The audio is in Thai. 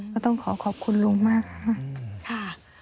ก็ต้องขอขอบคุณลุงมากนะคะ